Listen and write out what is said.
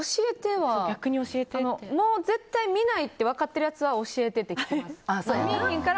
教えてはもう絶対に見ないって分かってるやつは教えてって聞きます。